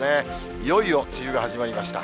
いよいよ梅雨が始まりました。